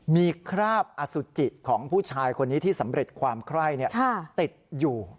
มีคราบอสุจิของผู้ชายคนนี้ที่สำเร็จความไคร้ติดอยู่